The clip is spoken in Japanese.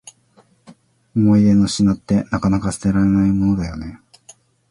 思い出の品って、なかなか捨てられないものだよね。